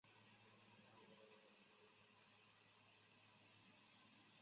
现在业主为吉林省东北亚铁路集团股份有限公司珲春分公司。